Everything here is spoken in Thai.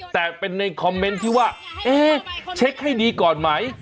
แต่เป็นในคอมเมนต์ที่ว่าเอ๊ะเช็คให้ดีก่อนไหม